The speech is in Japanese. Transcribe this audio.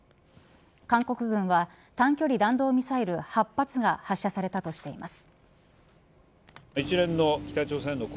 韓国軍は短距離弾道ミサイル８発が発射されたとしています。